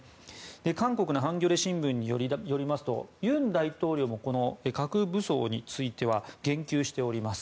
韓国のハンギョレ新聞によりますと尹大統領もこの核武装については言及しております。